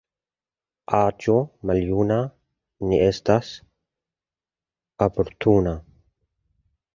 Aĝo maljuna ne estas oportuna.